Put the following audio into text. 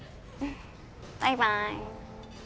バイバーイ。